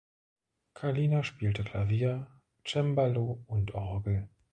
Kallina spielte Klavier, Cembalo und Orgel.